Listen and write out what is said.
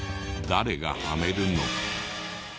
誰がはめるの？